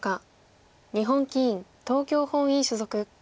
日本棋院東京本院所属。